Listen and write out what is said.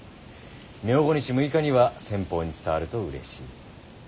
明後日６日には先方に伝わるとうれしい。